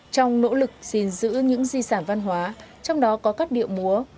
trong nỗ lực xin giữ những di sản văn hóa trong đó có các điệu múa